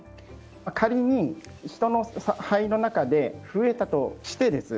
仮に、人の肺の中で増えたとしてです。